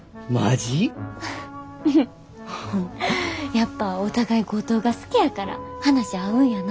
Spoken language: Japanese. やっぱお互い五島が好きやから話合うんやな。